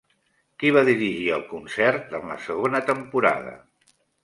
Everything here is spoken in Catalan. Qui va dirigir el concert en la segona temporada?